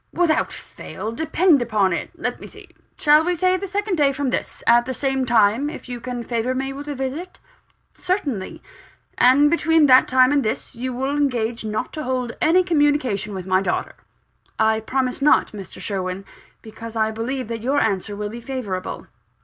"Without fail, depend upon it. Let me see: shall we say the second day from this, at the same time, if you can favour me with a visit?" "Certainly." "And between that time and this, you will engage not to hold any communication with my daughter?" "I promise not, Mr. Sherwin because I believe that your answer will be favourable."